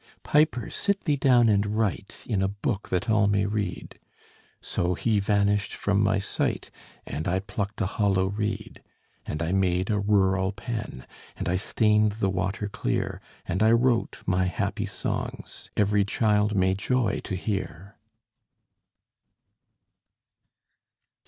"Piper, sit thee down and write, In a book that all may read." So he vanished from my sight; And I plucked a hollow reed; And I made a rural pen, And I stained the water clear, And I wrote my happy songs Every child may joy to hear.